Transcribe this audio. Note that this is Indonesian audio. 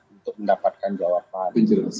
untuk mendapatkan jawaban